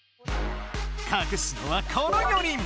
かくすのはこの４人。